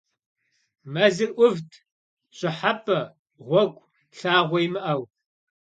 Мэзыр ӏувт, щӏыхьэпӏэ, гъуэгу, лъагъуэ имыӏэу.